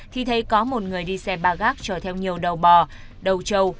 thì thấy có một người đi xe ba gác trò theo nhiều đầu bò đầu trâu